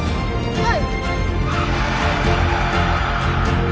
はい！